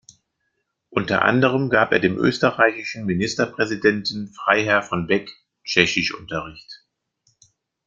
Unter anderem gab er dem österreichischen Ministerpräsidenten Freiherr von Beck Tschechisch-Unterricht.